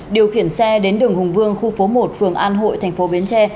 điều khiển xe đến đường hùng vương khu phố một phường an hội tp biến tre